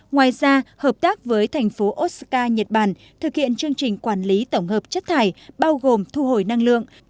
ngoài ra hợp tác với tp otsuka nhật bản thực hiện chương trình quản lý tổng hợp chất thải bao gồm thu hồi năng lượng